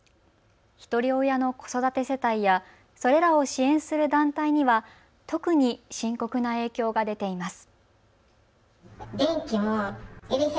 ひとり親の子育て世帯やそれらを支援する団体には特に深刻な影響が出ています。